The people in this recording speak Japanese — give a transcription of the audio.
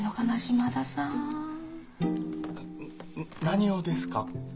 何をですか？